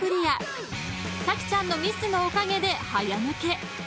［咲ちゃんのミスのおかげで早抜け］